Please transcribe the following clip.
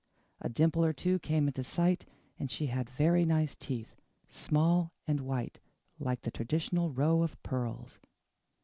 A dimple or two came into sight, and she had very nice teeth small and white, like the traditional row of pearls.